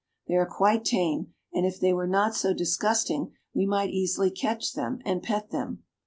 They are quite tame, and if they were not so disgusting we might easily catch them and pet them.